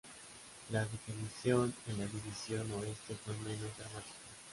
La definición en la división Oeste fue menos dramática.